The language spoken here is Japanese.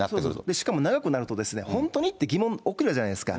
しかも長くなると、本当にという疑問、起きるじゃないですか。